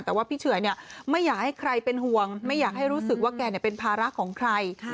แต่ว่าพี่เฉยไม่อยากให้ใครเป็นห่วงไม่อยากให้รู้สึกว่าแกเป็นภาระของใคร